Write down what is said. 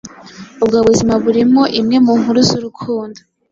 Ubwo buzima burimo imwe mu nkuru zurukundo